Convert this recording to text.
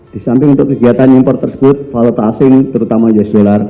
di samping untuk kegiatan impor tersebut valuta asing terutama us dollar